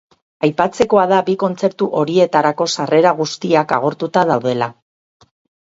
Aipatzekoa da bi kontzertu horietarako sarrera guztiak agortuta daudela.